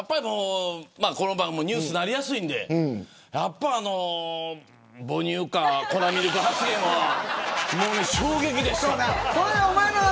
この番組ニュースになりやすいのでやっぱり母乳か粉ミルク発言はもうね、衝撃でした。